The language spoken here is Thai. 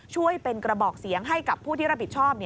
ช่วยเป็นกระบอกเสียงให้กับผู้ที่รับผิดชอบ